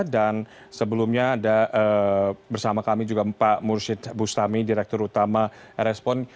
dan sebelumnya ada bersama kami juga pak mursyid bustami direktur utama respon